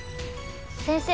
先生。